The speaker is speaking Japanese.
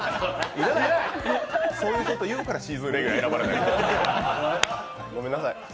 そういうこと言うからシーズンレギュラー選ばれない。